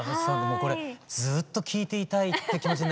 もうこれずっと聴いていたいって気持ちになりますよね。